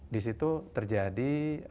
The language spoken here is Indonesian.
di situ terjadi